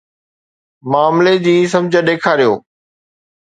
معاملي جي سمجھ ڏيکاريو.